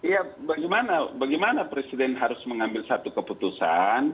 ya bagaimana presiden harus mengambil satu keputusan